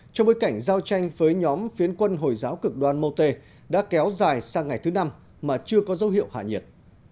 trong bối cảnh giao tranh với nhóm phiến quân hồi giáo cực đoan motor đã kéo dài sang ngày thứ năm mà chưa có dấu hiệu hạ nhiệt